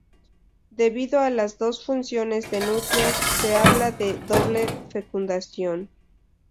Debido a las dos fusiones de núcleos, se habla de "doble fecundación".